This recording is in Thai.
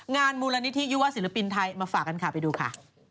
งานมูลนิธิยุวะศิลปินไทยมาฝากกันค่ะไปดูค่ะ